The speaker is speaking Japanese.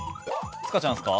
塚ちゃんですか？